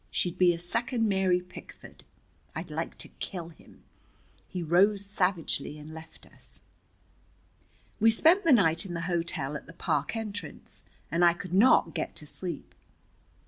She'd be a second Mary Pickford! I'd like to kill him!" He rose savagely and left us. We spent the night in the hotel at the park entrance, and I could not get to sleep.